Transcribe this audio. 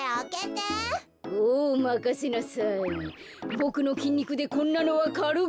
ボクのきんにくでこんなのはかるく。